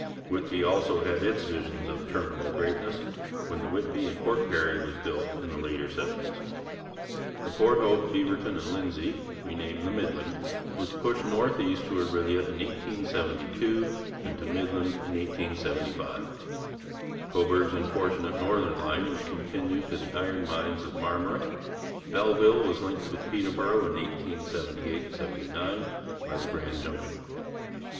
Whitby also had its visions of terminal greatness, when the Whitby and Port Perry was built in the later seventies. The Port Hope, Beaverton and Lindsay, renamed the Midland, was pushed northeast to Orillia in 1872 and to Midland in 1875. Cobourg's unfortunate northern line was continued to the iron mines of Marmora. Belleville was linked with Peterborough in 1878 79 by the Grand Junction.